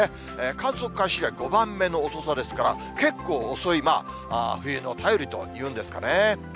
観測開始以来、５番目の遅さですから、結構、遅い、まあ、冬の便りというんですかね。